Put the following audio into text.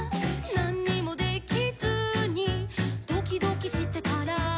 「なんにもできずにドキドキしてたら」